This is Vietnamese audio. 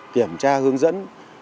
kiểm tra hướng dẫn